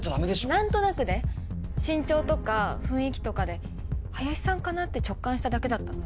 何となくで身長とか雰囲気とかで林さんかな？って直感しただけだったので。